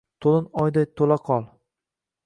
To’lin oyday to’la qol…